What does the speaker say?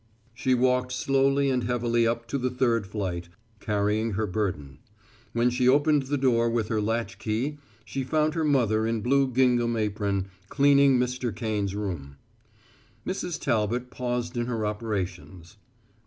She walked slowly and heavily up to the third flight, carrying her burden. When she opened the door with her latchkey she found her mother in blue gingham apron, cleaning Mr. Kane's room. Mrs. Talbot paused in her operations.